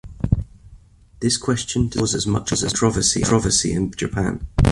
This question does not cause as much controversy in Japan.